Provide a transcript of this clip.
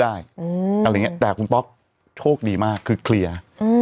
อะไรอย่างเงี้แต่คุณป๊อกโชคดีมากคือเคลียร์